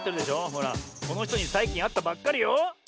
ほらこのひとにさいきんあったばっかりよ。